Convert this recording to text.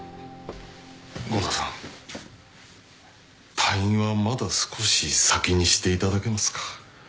郷田さん退院はまだ少し先にしていただけますか。